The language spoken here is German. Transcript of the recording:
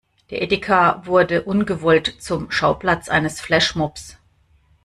Der Edeka wurde ungewollt zum Schauplatz eines Flashmobs.